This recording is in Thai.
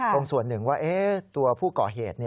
ตรงส่วนหนึ่งว่าตัวผู้ก่อเหตุ